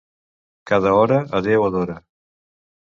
Cada hora, a Déu adora.